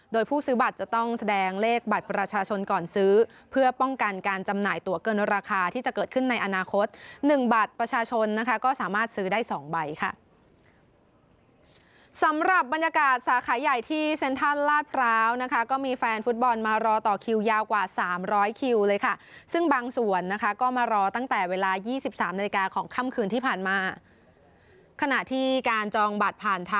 โดยผู้ซื้อบัตรจะต้องแสดงเลขบัตรประชาชนก่อนซื้อเพื่อป้องกันการจำหน่ายตัวเกินราคาที่จะเกิดขึ้นในอนาคตหนึ่งบัตรประชาชนนะคะก็สามารถซื้อได้สองใบค่ะสำหรับบรรยากาศสาขายใหญ่ที่เซ็นทรัลลาดพร้าวนะคะก็มีแฟนฟุตบอลมารอต่อคิวยาวกว่าสามร้อยคิวเลยค่ะซึ่งบางส่วนนะคะก็มารอต